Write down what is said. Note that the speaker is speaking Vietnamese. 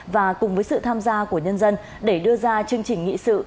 và cùng với sự tham gia của nhân dân để đưa ra chương trình nghị sự